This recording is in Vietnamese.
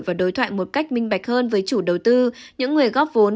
và đối thoại một cách minh bạch hơn với chủ đầu tư những người góp vốn